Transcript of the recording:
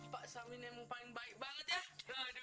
pak semin emang paling baik banget ya